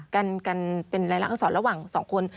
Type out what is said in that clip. การเป็นลายลักษณ์สอนระหว่างสองคน